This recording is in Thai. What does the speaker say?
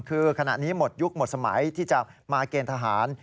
คือขณะนี้หมดยุคหมดสมัยที่จะมาเกณฑ์ทหาร